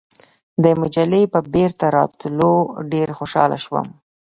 د مجلې په بیرته راوتلو ډېر خوشاله شوم.